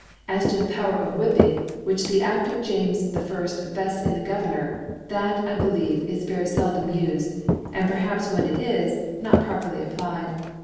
As to the Power of Whipping, which the Aft of James I. vcfts in the Go^ vernor, that, I believe, is very feldom ufed, and perhaps when it is, not properly applied.